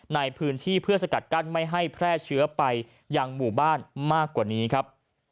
ในพื้นที่เพื่อสกัดกั้นไม่ให้แพร่เชื้อไปยังหมู่บ้านมากกว่านี้ครับ